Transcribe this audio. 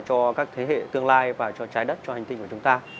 cho các thế hệ tương lai và cho trái đất cho hành tinh của chúng ta